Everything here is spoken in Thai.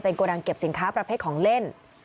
โกดังเก็บสินค้าประเภทของเล่น